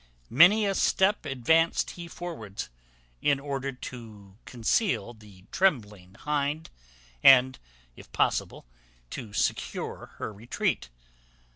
Many a step advanced he forwards, in order to conceal the trembling hind, and, if possible, to secure her retreat.